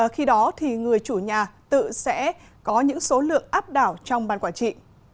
khi đó thì người chủ nhà tự sẽ có những số lượng áp đảo trong ban quản trị